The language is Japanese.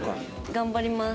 頑張ります。